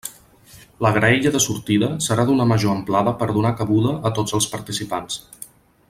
La graella de sortida serà d'una major amplada per donar cabuda a tots els participants.